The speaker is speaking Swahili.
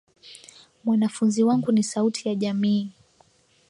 Mwanafunzi wangu ni sauti ya jamii.